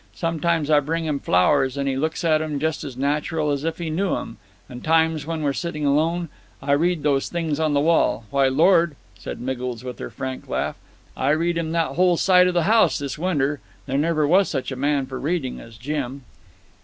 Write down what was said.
Sometimes I bring him flowers, and he looks at 'em just as natural as if he knew 'em; and times, when we're sitting alone, I read him those things on the wall. Why, Lord!" said Miggles, with her frank laugh, "I've read him that whole side of the house this winter. There never was such a man for reading as Jim."